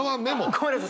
ごめんなさい！